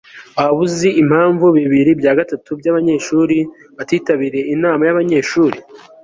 Waba uzi impamvu bibiri bya gatatu byabanyeshuri batitabiriye inama yabanyeshuri